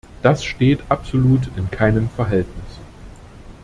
Das steht absolut in keinem Verhältnis.